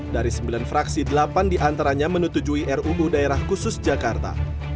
dari sembilan fraksi delapan diantaranya menetujui ruu daerah khusus jakarta